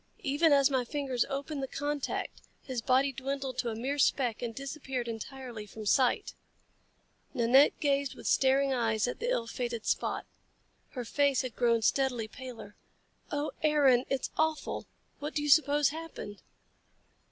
Even as my fingers opened the contact, his body dwindled to a mere speck and disappeared entirely from sight." Nanette gazed with staring eyes at the ill fated spot. Her face had grown steadily paler. "Oh, Aaron! It's awful! What do you suppose happened?"